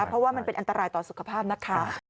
เพราะว่ามันเป็นอันตรายต่อสุขภาพนะคะ